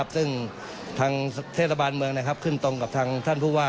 ซึ่งทางเทศบาลเมืองขึ้นตรงกับทางท่านผู้ว่า